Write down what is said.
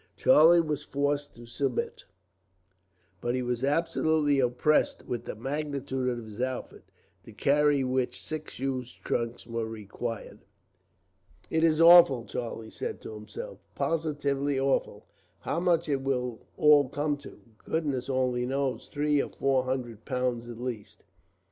Charlie was forced to submit, but he was absolutely oppressed with the magnitude of his outfit, to carry which six huge trunks were required. "It is awful," Charlie said to himself, "positively awful. How much it will all come to, goodness only knows; three or four hundred pounds, at least."